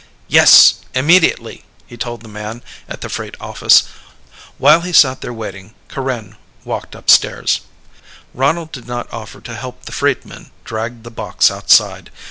"Yes! Immediately!" he told the man at the freight office. While he sat there waiting Corinne walked upstairs. Ronald did not offer to help the freight men drag the box outside.